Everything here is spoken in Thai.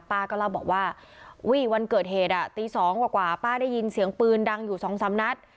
ป้าก็เล่าบอกว่าอุ้ยวันเกิดเหตุตี๒กว่าป้าได้ยินเสียงปืนดังอยู่สองสามนัด